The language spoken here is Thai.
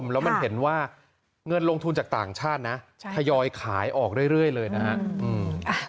แล้วมันเห็นว่าเงินลงทุนจากต่างชาตินะทยอยขายออกเรื่อยเลยนะครับ